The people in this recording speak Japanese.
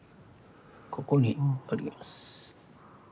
ここにおります。